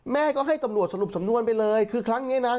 แม่ก็ให้ตำรวจสรุปสำนวนไปเลยคือครั้งนี้นะ